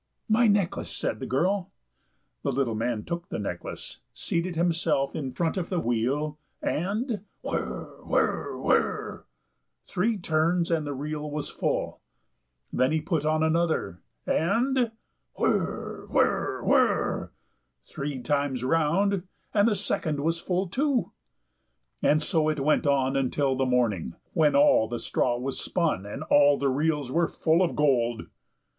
"My necklace," said the girl. The little man took the necklace, seated himself in front of the wheel, and "whirr, whirr, whirr," three turns, and the reel was full; then he put another on, and whirr, whirr, whirr, three times round, and the second was full too. And so it went on until the morning, when all the straw was spun, and all the reels were full of gold.